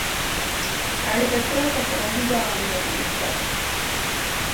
Aliteseka kwa muda wa miaka mitatu